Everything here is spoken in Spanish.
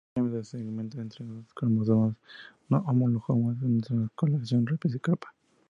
El intercambio de segmento entre dos cromosomas no homólogos es una translocación recíproca.